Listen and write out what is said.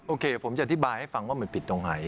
โอเคผมจะอธิบายให้ฟังว่ามันผิดตรงไหน